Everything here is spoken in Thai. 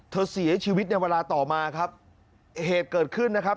เสียชีวิตในเวลาต่อมาครับเหตุเกิดขึ้นนะครับ